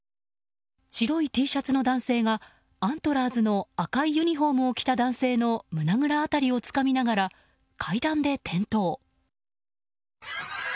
白いＴシャツの男性がアントラーズの赤いユニホームを着た男性の胸ぐら辺りをつかみながら階段で転倒。